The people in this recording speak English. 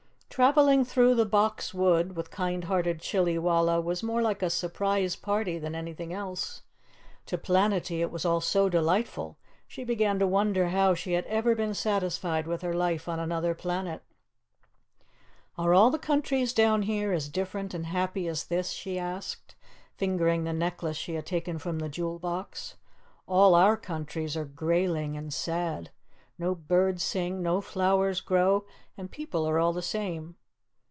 Traveling through the Box Wood with kind hearted Chillywalla was more like a surprise party than anything else. To Planetty it was all so delightful, she began to wonder how she had ever been satisfied with her life on Anuther Planet. "Are all the countries down here as different and happy as this?" she asked, fingering the necklace she had taken from the jewel box. "All our countries are greyling and sad. No birds sing, no flowers grow, and people are all the same."